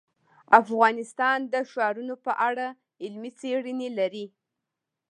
افغانستان د ښارونه په اړه علمي څېړنې لري.